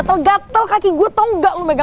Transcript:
lebih romantis tau bisa kasih fokus ga